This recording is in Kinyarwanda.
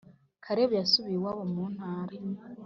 Karebu yasubiye iwabo muntara